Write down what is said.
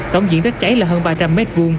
tổng diện tích cháy là hơn ba trăm linh m hai